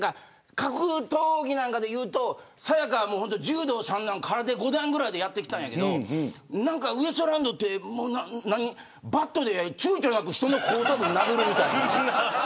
格闘技でいうと、さや香は柔道３段、空手５段ぐらいでやってきたんだけどウエストランドはバットでちゅうちょなく人の後頭部を殴るみたいな。